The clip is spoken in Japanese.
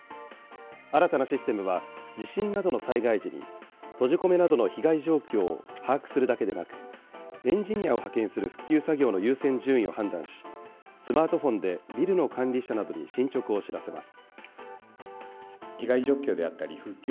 新たなシステムは、地震などの災害時に、閉じ込めなどの被害状況を把握するだけでなく、エンジニアを派遣する復旧作業の優先順位を判断し、スマートフォンでビルの管理者などに進捗を知らせます。